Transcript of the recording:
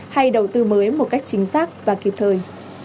hay đầu tư mới một cách chính xác và kịp thời